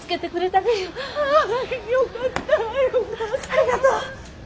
ありがとう。